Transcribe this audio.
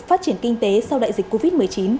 phát triển kinh tế sau đại dịch covid một mươi chín